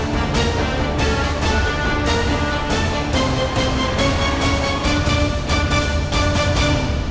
โปรดติดตามตอนต่อไป